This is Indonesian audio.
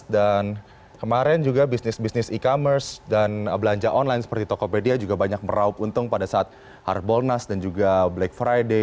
dan kemarin juga bisnis bisnis e commerce dan belanja online seperti tokopedia juga banyak meraup untung pada saat hard bownas dan juga black friday